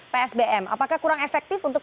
psbm apakah kurang efektif untuk